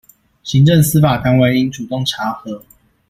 行政、司法單位應主動查核